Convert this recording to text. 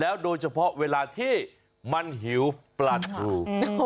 โดยเฉพาะเวลาที่มันหิวปลาทู